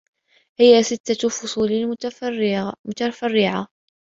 وَهِيَ سِتَّةُ فُصُولٍ مُتَفَرِّعَةٍ